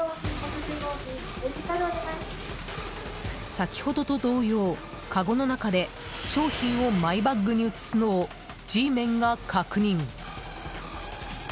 先ほどと同様、かごの中で商品をマイバッグに移すのをＧメンが確認。